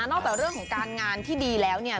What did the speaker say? จากเรื่องของการงานที่ดีแล้วเนี่ย